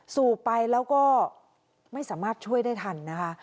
สูบไปแล้วก็ไม่สามารถช่วยได้ทันนะคะ